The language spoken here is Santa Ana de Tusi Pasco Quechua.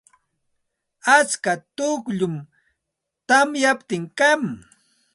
Atska tukllum tamyaptin kan.